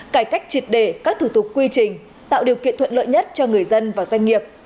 cải cách triệt đề các thủ tục quy trình tạo điều kiện thuận lợi nhất cho người dân và doanh nghiệp